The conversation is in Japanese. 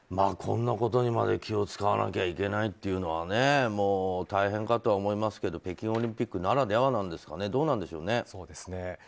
こんなことにまで気を使わないといけないのは大変かとは思いますけど北京オリンピックならではなんですかねどうなんでしょうね。